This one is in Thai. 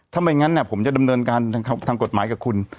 ถ้าไม่งั้นผมจะดำเนินการทางกฎหมายกับคุณ